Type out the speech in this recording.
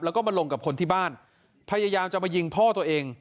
แล้วก็มาลงกับคนที่บ้านพยายามจะมายิงพ่อตัวเอง